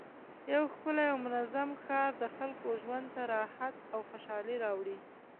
یو ښکلی او منظم ښار د خلکو ژوند ته راحت او خوشحالي راوړي